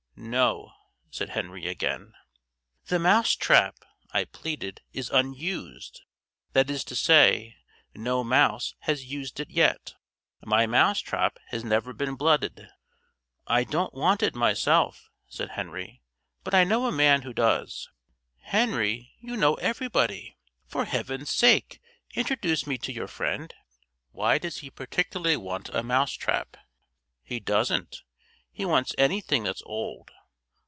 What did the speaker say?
"No," said Henry again. "The mouse trap," I pleaded, "is unused. That is to say, no mouse has used it yet. My mouse trap has never been blooded." "I don't want it myself," said Henry, "but I know a man who does." "Henry, you know everybody. For Heaven's sake introduce me to your friend. Why does he particularly want a mouse trap?" "He doesn't. He wants anything that's old.